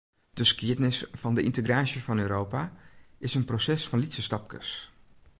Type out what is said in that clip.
De skiednis fan de yntegraasje fan Europa is in proses fan lytse stapkes.